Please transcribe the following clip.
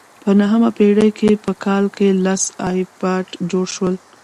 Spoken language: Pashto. په نهمه پېړۍ کې په کال کې لس آبدات جوړ شول